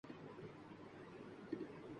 پھر بےضابطہ ومن مانی آئینی اس میں ردوبدل کرکے